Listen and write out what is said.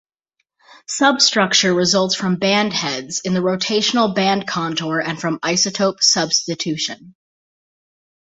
Substructure results from band heads in the rotational band contour and from isotope substitution.